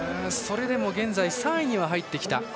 それでも現在、３位には入ってきた。